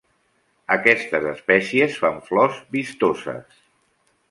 Aquestes espècies fan flors vistoses.